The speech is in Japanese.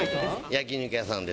焼き肉屋さんです。